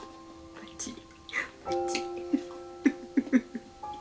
ばっちり？